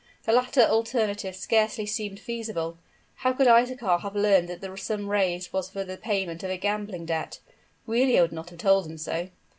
The latter alternative scarcely seemed feasible. How could Isaachar have learned that the sum raised was for the payment of a gambling debt? Giulia would not have told him so.